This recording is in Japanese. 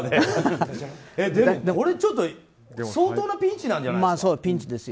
これ、相当なピンチなんじゃないですか？